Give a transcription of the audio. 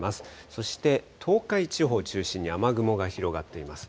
そして、東海地方を中心に雨雲が広がっています。